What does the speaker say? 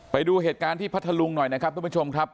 ไปดูเหตุการณ์ที่พัทธลุงหน่อยนะครับทุกผู้ชมครับ